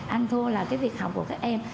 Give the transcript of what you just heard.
anh thua là cái việc học của các em